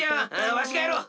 わしがやろう！